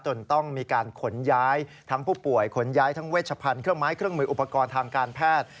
จนต้องมีการขนย้ายทั้งผู้ป่วยขนย้ายทั้งเวชพันธ์เครื่องไม้เครื่องมืออุปกรณ์ทางการแพทย์